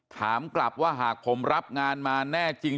ถามกลับว่าหากผมรับงานมาแน่จริง